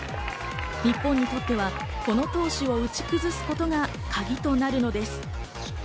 日本にとってはこの投手を打ち崩すことがカギとなるのです。